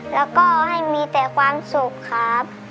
แล้วก็ให้มีแต่ความสุขครับ